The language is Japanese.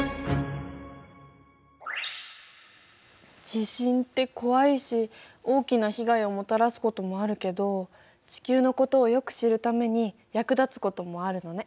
地震って怖いし大きな被害をもたらすこともあるけど地球のことをよく知るために役立つこともあるのね。